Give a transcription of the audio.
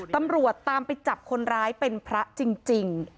ตำรวจตามไปจับคนร้ายเป็นพระจริง